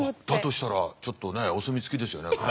だとしたらちょっとねお墨付きですよね。